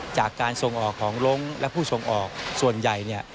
จากการส่งออกของลงและผู้ส่งออกส่วนใหญ่เนี่ย